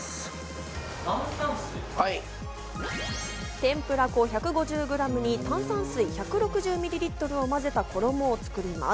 天ぷら粉１５０グラムに炭酸水１６０ミリリットルをまぜた衣を作ります。